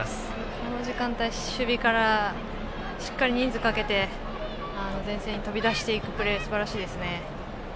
この時間帯、守備からしっかり人数かけて前線に飛び出していくプレーすばらしいですね。